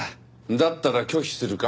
だったら拒否するか？